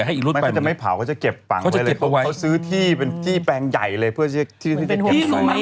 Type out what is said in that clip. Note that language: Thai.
พี่รู้ไหม